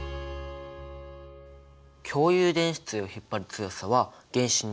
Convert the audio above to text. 共有電子対を引っ張る強さは原子によって違う。